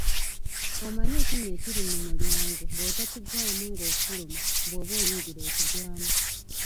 Omanyi ekinnya ekiri mu mulyango bw'otokigwamu ng'ofuluma, bw'oba oyingira okigwamu.